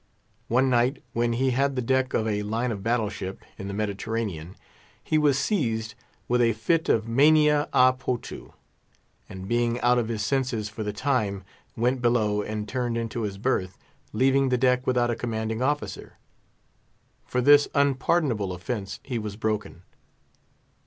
One night, when he had the deck of a line of battle ship, in the Mediterranean, he was seized with a fit of mania a potu, and being out of his senses for the time, went below and turned into his berth, leaving the deck without a commanding officer. For this unpardonable offence he was broken.